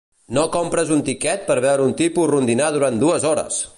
No compres un tiquet per veure un tipus rondinar durant dues hores!